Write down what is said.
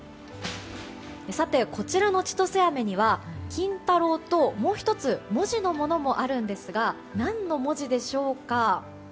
さて、こちらの千歳飴には金太郎と、もう１つ文字のものもあるんですが何の文字でしょうか？